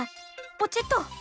ポチッと。